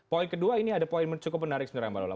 poin kedua ini ada poin cukup menarik sebenarnya mbak lola